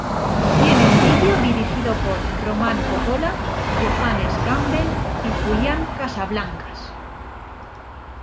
Tiene un vídeo dirigido por Roman Coppola, Johannes Gamble y Julian Casablancas.